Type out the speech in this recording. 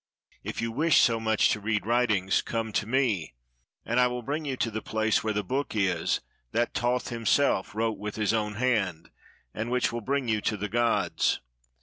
If you wish so much to read writings, come to me, and I will bring you to the place where the book is that Thoth himself wrote with his own hand, and which will bring you to the gods.